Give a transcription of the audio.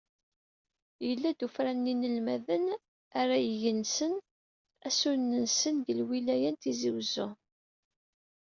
Yella-d ufran n yinelmaden ara igensen asunen-nsen deg lwilaya n Tizi Uzzu.